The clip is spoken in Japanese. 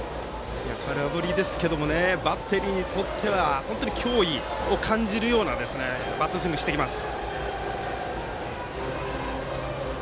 空振りですけどバッテリーにとっては本当に脅威を感じるバットスイングしてきます。